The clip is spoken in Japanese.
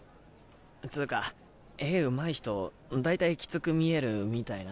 つぅか絵うまい人だいたいきつく見えるみたいな。